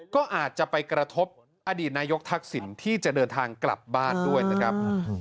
ก็อาจจะไปกระทบอดีตนายกทักษิณที่จะเดินทางกลับบ้านด้วยนะครับ